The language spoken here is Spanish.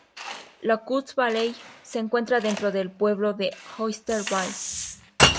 Locust Valley se encuentra dentro del pueblo de Oyster Bay.